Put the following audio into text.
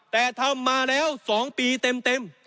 แต่ทำมาแล้ว๒ปีเต็ม